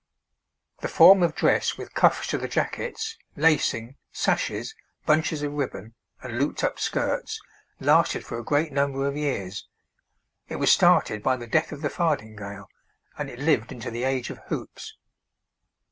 The form of dress with cuffs to the jackets, lacing, sashes, bunches of ribbon, and looped up skirts, lasted for a great number of years. It was started by the death of the fardingale, and it lived into the age of hoops.